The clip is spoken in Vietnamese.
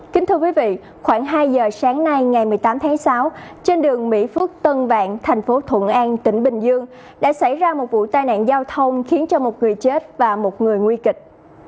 kính thưa quý vị khoảng hai giờ sáng nay ngày một mươi tám tháng sáu trên đường mỹ phước tân vạn thành phố thuận an tỉnh bình dương đã xảy ra một vụ tai nạn giao thông khiến cho một người chết và một người nguy kịch